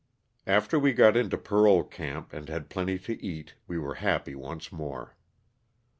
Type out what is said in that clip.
After we got into parole camp and had plenty to eat we were happy once more.